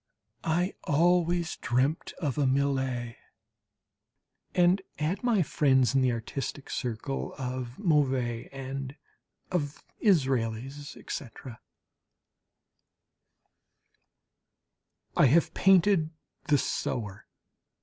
I always dreamt of a Millet, and had my friends in the artistic circle of Mauve and of Israels, etc. I have painted the "Sower."